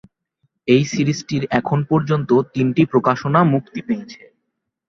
এই সিরিজটির এখন পর্যন্ত তিনটি প্রকাশনা মুক্তি পেয়েছে।